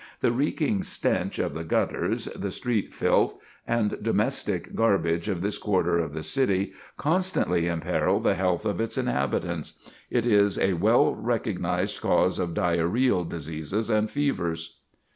The reeking stench of the gutters, the street filth, and domestic garbage of this quarter of the city, constantly imperil the health of its inhabitants. It is a well recognized cause of diarrhoeal diseases and fevers."